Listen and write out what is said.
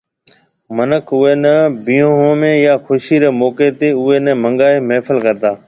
منک اوئي ني بيهون ۾ يا خوشي ري موقعي تي اوئي ني منگائي محفل ڪرتا